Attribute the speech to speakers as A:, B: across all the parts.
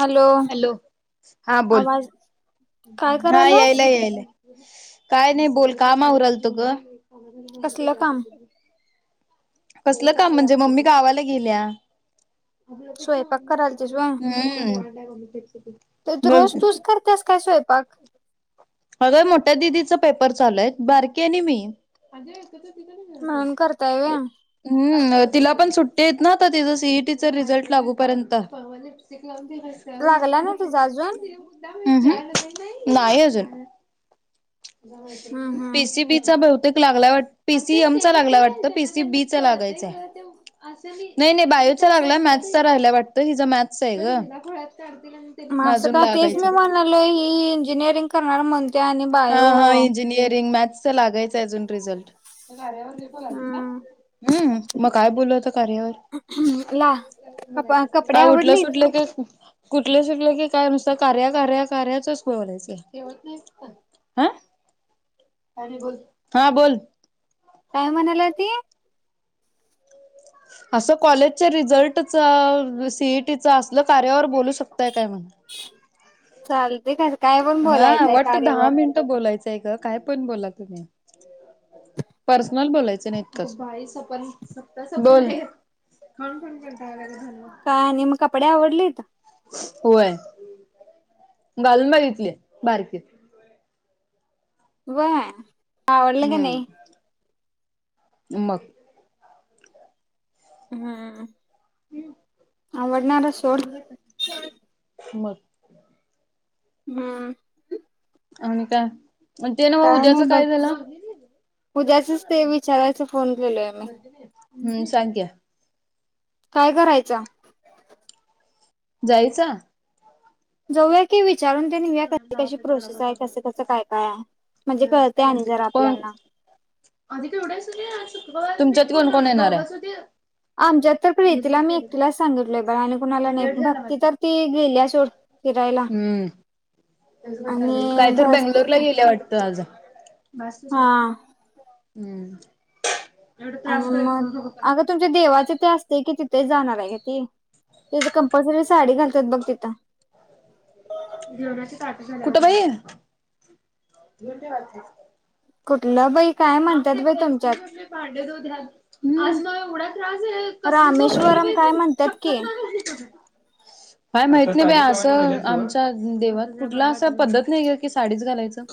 A: Hello
B: hello हा बोल
A: आवाज काय
B: हा
A: करायलास
B: यायला- यायलाय [unintelligible] काय नाही बोल कामा उरालतो ग हो माी
A: कसलं काम
B: जाऊ [unintelligible] कसलं काम म्हणजे, मम्मी गावाला गिल्या हम
A: स्वयंपाक करायलतीस व्हय
B: [unintelligible] [unintelligible]
A: तर -तू रोज तूस करतेस काय स्वयंपाक
B: अगं मोठ्या दिदीचा पेपर चालू आहे बारकी आहे आणि मी [inaudible] [inaudible]
A: म्हणून करताय व्हय
B: हम्म तिला पण सु--ट देत ना आ तिचं सीईटीच रिझल्ट लागूपर्यंत [inaudible] हम
A: लागला ना तुझा अजून
B: हू [unintelligible] [inaudible] नाहीय अजून [inaudible]
A: हम्म हम्म
B: पीसीबीचा बहुतेक [unintelligible] पीसीएम चा लागलाय वाटत, पीसी बी चा लागायचाय, नाही -नाही बायोचा लागलाय मॅथस् राहिलाय वाटत हिच मॅथस् आहे ग म
A: मासं
B: अजून
A: का तेच
B: लागायचं.
A: मी म्हणालो ही इंजिनिअरिंग करणार म्हणते आणि
B: हा
A: बायो
B: -हा इंजिनियरिंग मॅ [unintelligible] लागायचं अजून रिझल्ट
A: हम्म
B: [inaudible] मग काय बोलत कार्या
A: ला
B: वर
A: कप कपडे
B: काय उठलं
A: आवडलीत
B: सुटलं क [inaudible] ुठलं सुटलं की काय नुसतं कार्या, कार्या कार्याचच बोलायचं [inaudible] आा [unintelligible] अ [unintelligible] बोल हा बोल
A: काय म्हणाल्या ती
B: असं कॉलेजच्या रिझल्ट -सीईटी असल कार्यावर बोलू शकत ते काय म्हणा [unintelligible]
A: चालते काय पण
B: हा
A: बोलायचंय
B: वटट्
A: कार्यावर
B: दहा मिनिटं बोलायचं [inaudible] काय पण बोला तुम् पर्सनल बोयच नाही [inaudible]
A: काय आणि मग कपडे आवडलित
B: होय गल मारी [unintelligible] बारकी [unintelligible]
A: व्हय... [unintelligible] हवडलं का नाही?
B: ह म [unintelligible]
A: हम्म- आवडणारा सोड
B: हम्
A: हम
B: अन का
A: काय नाही बघ उद्याचच ते विचारायच फोन केलय मी
B: हम्म सांग्या
A: काय करायचा
B: जायचा
A: जाऊया की विचार विचारून ते निघया कशी कशी प्रोसेस आहे कसं कस काय काय आहे म्हणजे कळते आणि जरा
B: कोण
A: आपल्याना
B: तुमच्यात कोण कोण येणार आहे
A: आमच्यात तर प्रेतीला मी एकटीलाच सांगितलय बर आणि कुणाला नाही भक्ती तर ती गेली सोड फिरायला
B: हम्म
A: आणि
B: काय तर
A: भसते
B: बंगलोर ला गेलं वाटतं आज बसस
A: हा
B: हम्म
A: आणि मग अगं तुमच्या देवाचे ते असते कि ति ते जाणार आहे का त त्या कंपल्री साडी घालतात बघ तिथं.
B: जेवणा कुठ बाई.
A: कुठलं बाई? काय म्हणतात बाई तुमच्यात
B: का पांडे द द्या म न उडा कसच
A: रामेश्वरम
B: पाहिज
A: काय म्हणतात
B: शक
A: की
B: नाही काय माहित नाही बा असं आमच्या देवात कुठला असं पद्धत नाही की साडीच घालायचं.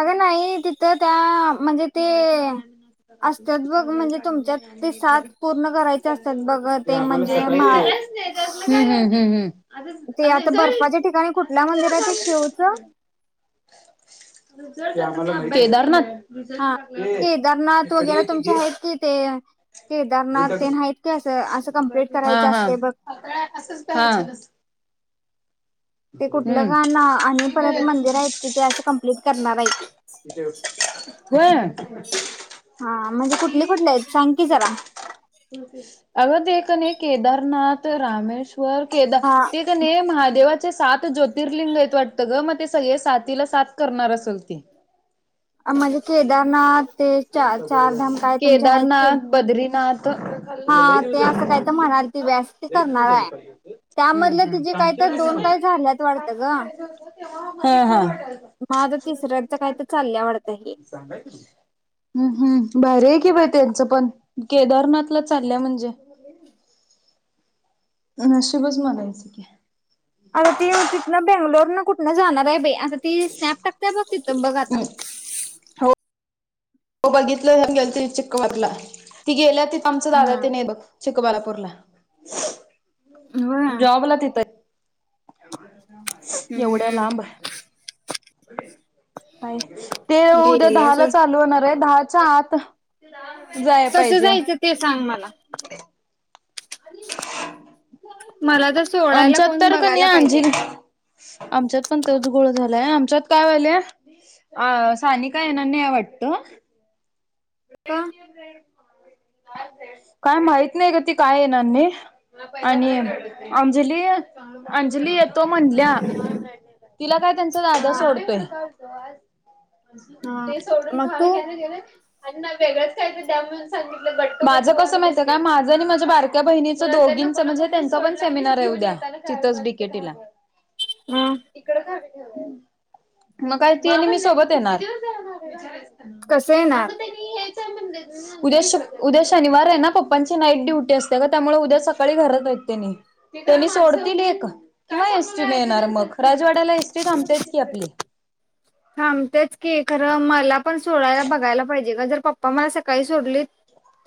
A: अगं नाही तिथं- त्या म्हणजे ते असतात बघ म्हणजे तुमच्यात ते सात पूर्ण करायचे असतात
B: लागणारग-
A: बघ ते म्हणजे महा ते आता बर्फाच्या ठिकाणी
B: रझ
A: कुठल्या मंदिर आहे ते शिवचं
B: केदारनाथ
A: हा केदारनाथ वगैरे तुमचे आहेत कि ते केदारनाथ तेत कि अस असं कंप्लीट
B: हा
A: करायच
B: हा
A: असते बघ
B: हा
A: ते कुठलं
B: हम्म
A: गा न आणि परत मंदिर आहेत की ते असं कंप्लीट करणार आहेत.
B: [inaudible] होय [inaudible] [inaudible]
A: हा म्हणजे कुठली कुठली आहेत सांग की जरा
B: अग ते तीथ केदारनाथ रामेश् वर केदार
A: हा
B: ते कणी महादेव सात ज्योतिर्लिंग आहेत वाटतं ग मग ते सगळे साथीला सात करणार असल ती
A: म्हणजे केदारनाथ ते चार चारधाम काय
B: [unintelligible]
A: तुमचे आहेत की
B: केदारनाथ, बद्रीनाथ,
A: हा ते असं काही तर म्हणालती बाई ती अस करणार आहे
B: हम्म
A: त्यामधलं
B: हम्म.
A: तिजी काहीत दोन काय झाल्यात वाटत ग
B: हा हा.
A: मग ती तिसऱ्याच काय चालल्या वाटतं हे.
B: हम्म हम्म भारी कि मग त्यांचं पण केदारनाथला चालल्या म्हणजे. ह नशिबच म्हणायचं की
A: आता ती उती तिथन बेंगलूरन कुठंण जाणार आहे बाई ती स्नॅप टाकत्या बघ तीथ बघ आता
B: हो हो बघितलं पण गेलत चिक्कवटला ती गेल्या ति आमचं दादा तेन
A: हम्म
B: आहे बघ चिकबालापूरला
A: होय
B: [unintelligible] जॉबला तिथं हाय [unintelligible] [unintelligible]
A: हम्म
B: एवढ्या
A: हम्म
B: लांब! [unintelligible] काय ते उद्या
A: गेल्या
B: दहा ला
A: सोड.
B: चालू होणार आहे दहा च्या आत जाय
A: कसं
B: पाहिजे
A: जायचं ते सांग मला, मला तर
B: [inaudible]
A: सोडायला
B: आमच्यात
A: कोण
B: तर कणी
A: बघायला
B: अंजी
A: पाहिजे
B: आमच्यात पण तेच गोळ झाला. लई आमच्यात काय व्हायल सानिका येणार नाहीआय वाटत
A: का?
B: [unintelligible] काय माहित नाही ग ती काय येणार नाही आणि अंजली अंजली येतो म्हटल्या तिला काय त्यांचा दादा
A: हा.
B: सोडतोय. त आज
A: हा
B: ते सोडून
A: मग
B: खार
A: तू
B: घ्या ना गेलोय आणि माझं वेगळंच काहीतरी द्या म्हणून सांगितलं माझं कसं माहिती काय माझं आणि माझ्या बारक्या बहिणीचं दोघींच म्हणजे त्यांचा पण सेमिनार आहे उद्या तिथेच डी के टी ई ला
A: अ
B: तिकड खाली. मग काय त मी सोबत येणार.
A: कसंय न, हा
B: उद्या उद्या शनिवार आहे ना पप्पांची नाईट ड्युटी असते का त्यामुळे उद्या सकाळी घरात आहेत त्यांनी त्यांनी सोडतील एक किंवा एसटी न येणार मग राजवाड्याला एसटी थांबतेच की आपली.
A: थांबतेच की खरं मला पण सोडायला बघायला पाहिजे गं जर पप्पा मला सकाळी सोडलीत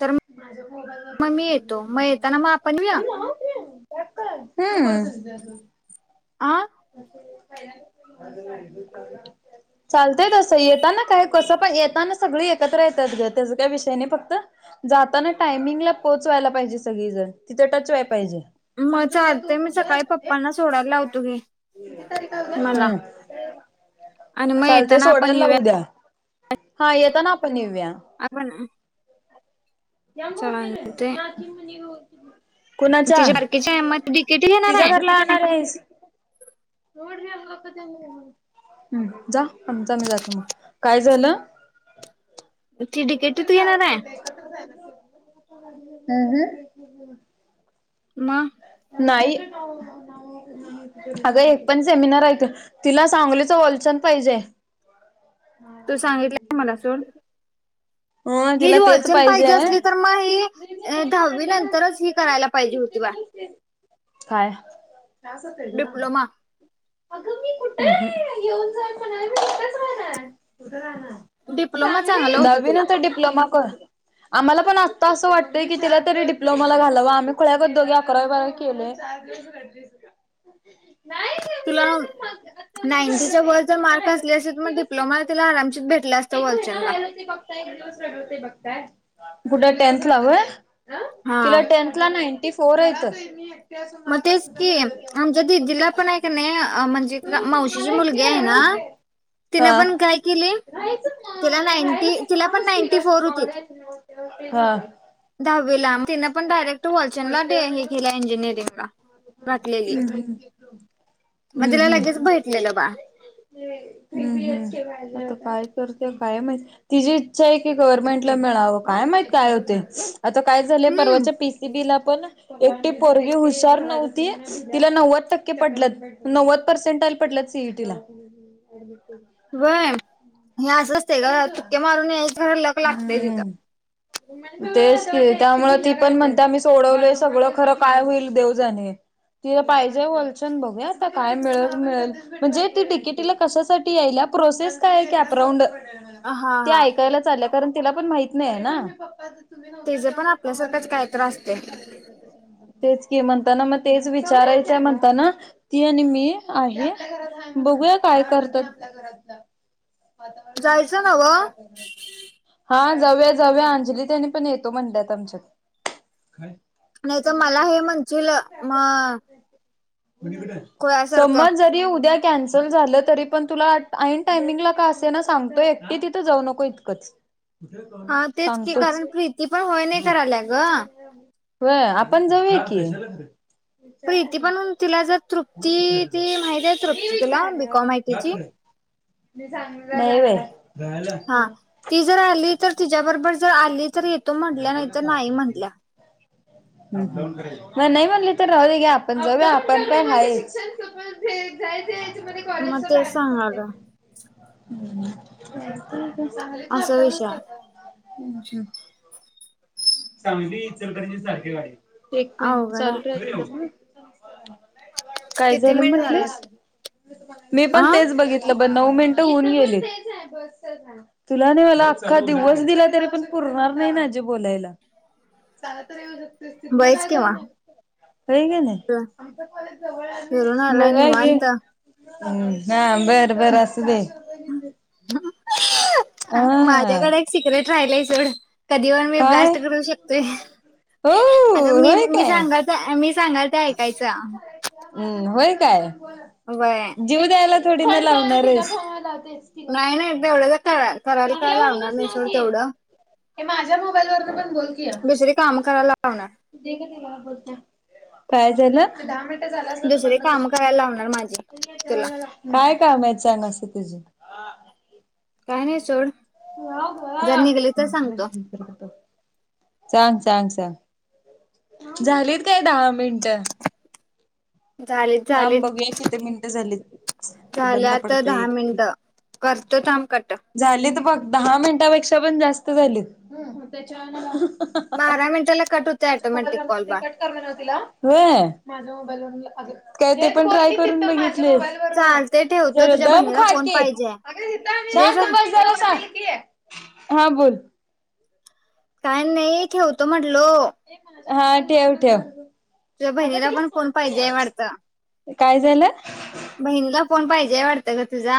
A: तर मग मी येतो
B: मोबाईल
A: मग येताना मग आपण
B: वरन्
A: येऊया
B: बघ [inaudible] हम्
A: आं
B: चालतय तसं येताना काय कसं पण येताना सगळे एकत्र येतात ग त्याच काय विषयने फक्त जाताना टायमिंगला पोहोचवायला पाहिजे सगळे जण तिथं टच व्हाया पाहिजे
A: म चालत मी सकाळी पप्पांना सोडायला लावतो की
B: ह
A: आणि मग
B: चालतय
A: येताना आपण
B: सोडायला लावू
A: येऊया
B: उद्या हा येेत ना आपण येऊ
A: आपण
B: जबकर
A: चालतंय
B: ना तिम नव कुणाच्या
A: तिची बारकीची आहे मग ती डिकेटी घेणार
B: तिच्या
A: आहे
B: घरला आणणार आहेस जा आम जा मी जातो मग काय झालं
A: ती
B: एक
A: डिकेटीत
B: तर जाव
A: घेणार
B: कि
A: आहे
B: ए तर जाय ना हम्म हम्म
A: मग
B: नाही अगं एक पण सेमिनार आहे तिला सांगलीच होलसेल पाहिजे हाय हा
A: ह वचन पाहिजे असली तर मग ह दहावी नंतरच ह करायला पाहिजे होती
B: काय
A: डिप्लोमा
B: अगं मी कुठे येऊन जा म्हणार म कुठच राहणार कुठ
A: डिप्लोमा चांगला
B: राहणार
A: होता
B: नवीन
A: तिला
B: तर डिप्लोमा आम्हाला पण आ अस वाटत क तीला तरी डिप्लोमाला घाला आम्ही खगत दोघ अकरा केले
A: तुला नाईंटीच्या व जर मार्क असले असेल तर मग डिप्लोमा तुला आरामशी भेटलं असत वालचंदला
B: कुठं टेनथ ला हय
A: हा
B: तिला टेंथ ला नांटी पोर येत
A: मग तेच की आमच्या दीदीला पण आहे का नाही म्हणजे मावशीची मुलगी आहे ना तिन
B: हा.
A: पण काय केली
B: राहायचं
A: तिला
B: मग राहायला
A: नैटी फोर
B: काही
A: तिला पण
B: कामच दिलं
A: नैटी
B: असते
A: फोर होत
B: कॉलेज हा.
A: दहावीला तिन पण डायरेक्ट वालचंनला केली इंजिनिअरिंग वाटलेली मग तिला लगेच भेटलेलं बा
B: काय करते काय माहित तिचीी इच्छा आहे की गव्हर्नमेंट ला मिळावं काय माहित काय होते आता काय झालंय
A: हम्म
B: परवाच्या पीसी बीला पण एकटी पोरगी हुशार नव्हती तिला नव्वद टक्के पडल नव्वद पर्सेंट आ पटलात सीईटीला
A: वय हे हग ुक्े मारूनणे लागतय तिथं
B: हम्म तेच क त्यामुळे ती पण म्हणते मी सोडवलोय सगळं खरं काय होईल देवजणी तिला पाहिजे वलचन बघू आता काय मि मिळेल म्हणजे त तिकिटीला कशासाठी याईल प्रोसेस काय की अपरांड
A: हा
B: ते
A: हा
B: ऐकायला तला पण माह नाही ना तुम्ही नव्हता
A: तेज पण
B: तेव्हा पप्पा वर ज
A: आपल्यासारखंच काय तर असतय
B: ख क म्हणताना मग तेच विचारायचं म्हणताना ती आणि मी आहे बघूया काय करत
A: जायचं ना ग
B: हा जाऊया जावया अंजली त्या पण येतो म्हणतात आमच्यात
A: नाही तर मला हे म्हणशील म खुळ्यासारखं
B: संम जरी उद्या कन चल झालं तरी पण तुला ईन टायमिंगला काय असे ना सांगतो एकक्टी तिथं जाऊ नको इ च
A: हा तेच की कारण प्रीती पण होय नाही क आल्या ग
B: हो आपण जाऊया की विचार
A: प्रीती पण तिला जर
B: कोण
A: तृप्ती
B: विचार
A: ती माहिती आहे
B: मी
A: तृप्ती तुला
B: विचारलं
A: बीकॉम आयटीची
B: का मगला
A: हा ती जर आली तर ति बरोबर जर आली तर येतो म्हटल्या नाही तरर नाही म्हटल्या
B: म नाही म्हणले तर राह दे ग आपण जाऊया आपण पण आहे कॉजम
A: मग ते सांगाल
B: ह चांगलेच
A: असा
B: अडा
A: विषय
B: वासत
A: आहे.
B: सांगली चलकरंजी सारखे वा एक मिनिट
A: अवघड
B: चालू
A: आहे.
B: राल हो नाही [inaudible] काय
A: किती
B: झालं
A: मिनिट
B: म्हंटलीस
A: झालेत
B: मी
A: आ
B: पण तेच बघितलं नऊ मिनटं होऊन गेले तुला नाही मला अख्खा दिवस दिला तरी पण पुरणार नाही माझे बोलायला चांग तर येऊ
A: बयच केव्हा
B: काही गे ना
A: फिरून
B: आळ
A: आलाय
B: मघाय गे
A: निवांत
B: ह हा बरं बरं असुदे दे
A: हा माझ्याकडे एक सिक्रेट राहिलाय सोड [inaudible] कधी वण मी
B: काय
A: ब्लास्ट करू शकतोय
B: हो
A: आता मी
B: होय
A: मी
B: काय
A: सांगालतो मी सांगाल त्या ऐकायचं
B: हम्म होय काय
A: व्हय
B: जीव द्यायला थोडी ना लावणार आहेस
A: नाही नाही तेवढं तर करायला काय लावणार नाही सोड तेवढं
B: माझ्या मोबाईलवरून पण
A: दुसरी काम करायला लावणार
B: काय झालं
A: दुसरी काम करायला लावणार माझी तुला
B: ब काम आहे चांग अस तुझ
A: का नाही चल
B: सांग सांग सांग झालीत काय दहा मिनट
A: झालीत
B: थांम
A: झालीत
B: बघूया किती मिनटे झाली बंद
A: झाल्या तर
B: पडत
A: दहा मिनिटं करतो थांब कट
B: झाली तर बघ दहा मिनटापेक्षा पण जास्त झाले त्या
A: बारा मिनिटाला कट होते
B: माझ मोबाईल
A: ऑटोमॅटिक
B: व
A: कॉल
B: ते
A: बा
B: कट करले नव्हतीला माझ्या मोबाईल व अज काय ते पण ट्राय करून बघित
A: चालते ठेवतो
B: ज
A: तुझ्या
B: दम
A: बहिणीला
B: खाक
A: फोन पाहिजे जे जा
B: हा बोल
A: काय नाही ठेवतो म्हटलो
B: हा ठेव ठेव
A: तुझ्या बहिणीला पण कोण पाहिजे आहे वाटतं
B: काय झालं?
A: महिंद फोन पाहिजे हाय वाडतं ग तुझा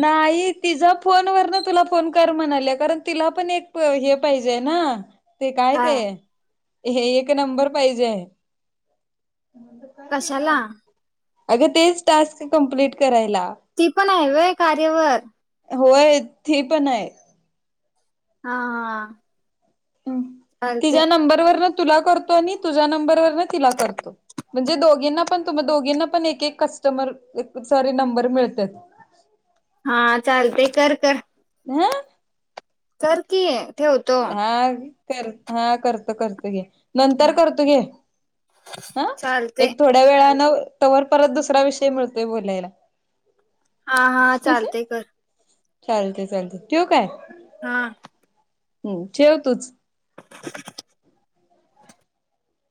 B: नाही तिझ फोन वरन तुला फोन कर म्हणाली कारण तिला पण एक हे पाहिजे ना ते काय ते हे एक नंबर पाहिजे आहे. ते कर की ग
A: कशाला
B: अगं तेच टास्क कंप्लीट करायला.
A: ती पण आहे होय. कारेवर
B: होय ती पण हाय.
A: हा हा. चालते
B: तिज्या नंबरवरन तुला करतो आणि तुझा नंबर वरण तिला करतो. म्हणजे दोघींना पण तुमा दोघींना पण एक एक कस्टमर एक सारी नंबर मिळत्यात.
A: हा चालतय कर कर
B: हा.
A: कर की
B: हा कर हा करत तर करतो घे. नंतर करतो घे ह
A: चालते
B: एक थोड्या वेळान तवर परत दुसरा विषय मिळतोय बोलायला.
A: हा हा चालतय कर.
B: चालतय चालतय ठेवू काय?
A: हा.
B: हम्म ठेव तूच
A: [inaudible]